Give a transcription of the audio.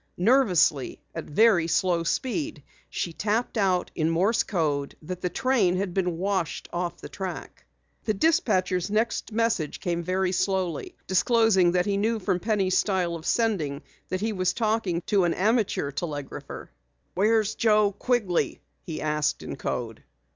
Nervously, at very slow speed, she tapped out in Morse code that the train had been washed off the track. The dispatcher's next message came very slowly, disclosing that he knew from Penny's style of sending that he was talking to an amateur telegrapher. "Where's Joe Quigley?" he asked in code.